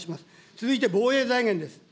続いて防衛財源です。